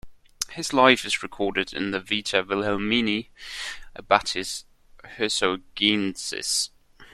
His life is recorded in the "Vita Willihelmi abbatis Hirsaugiensis".